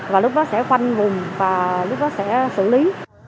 và lúc đó sẽ khoanh vùng và lúc đó sẽ xử lý